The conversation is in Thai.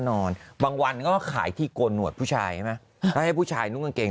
นอนบางวันก็ขายที่โกนหนวดผู้ชายไหมให้ผู้ชายนุ้งกางเกง